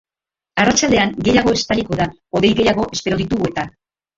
Arratsaldean gehiago estaliko da, hodei gehiago espero ditugu eta.